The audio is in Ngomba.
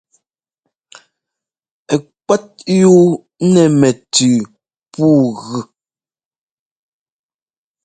Kúɛ́t yú nɛ́ mɛtʉʉ pǔu ɛ́gʉ.